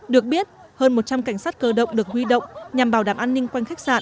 được biết hơn một trăm linh cảnh sát cơ động được huy động nhằm bảo đảm an ninh quanh khách sạn